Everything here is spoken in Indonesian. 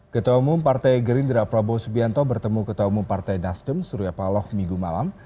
ketua umum partai gerindra prabowo subianto bertemu ketua umum partai nasdem surya paloh minggu malam